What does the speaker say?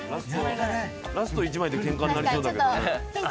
ラスト１枚でケンカになりそうだけど。